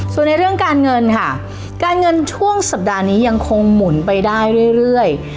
ส่วนในเรื่องการเงินค่ะการเงินช่วงสัปดาห์นี้ยังคงหมุนไปได้เรื่อย